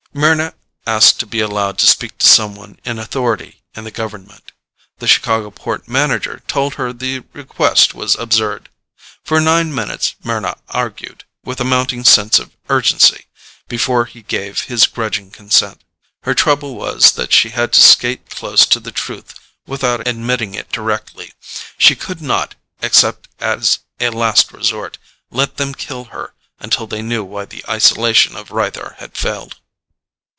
Mryna asked to be allowed to speak to someone in authority in the government. The Chicago port manager told her the request was absurd. For nine minutes Mryna argued, with a mounting sense of urgency, before he gave his grudging consent. Her trouble was that she had to skate close to the truth without admitting it directly. She could not except as a last resort let them kill her until they knew why the isolation of Rythar had failed.